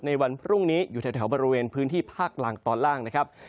วันพรุ่งนี้อยู่แถวบริเวณพื้นที่ภาคล่างตอนล่างนะครับ